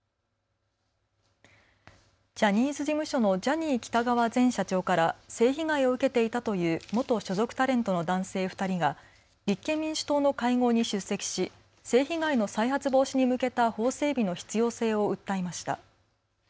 ジャニーズ事務所のジャニー喜多川前社長から性被害を受けていたという元所属タレントの男性２人が立憲民主党の会合に出席し性被害の再発防止に向けた法整備の必要性を訴えました。